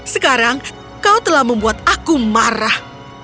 sekarang kau telah membuat aku marah